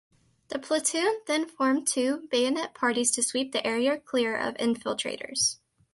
The platoon then formed two bayonet parties to sweep the area clear of infiltrators.